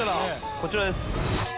こちらです。